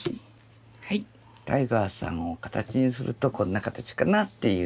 はいタイガーさんを形にするとこんな形かなっていう。